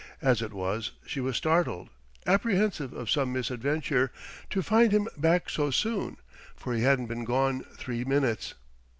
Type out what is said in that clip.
As it was, she was startled, apprehensive of some misadventure, to find him back so soon; for he hadn't been gone three minutes.